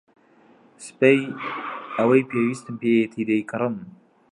سبەی ئەوەی پێویستم پێیەتی دەیکڕم.